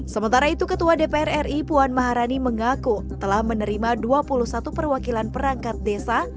sementara itu ketua dpr ri puan maharani mengaku telah menerima dua puluh satu perwakilan perangkat desa